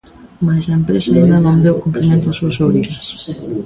Mais a empresa aínda non deu cumprimento ás súas obrigas.